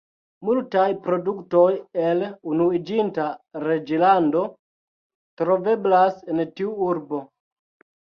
Multaj produktoj el Unuiĝinta Reĝlando troveblas en tiu urbo.